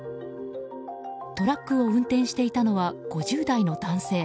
トラックを運転していたのは５０代の男性。